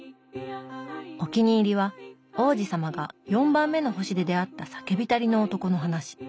お気に入りは王子さまが４番目の星で出会った酒びたりの男の話。